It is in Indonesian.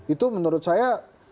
itu menurut saya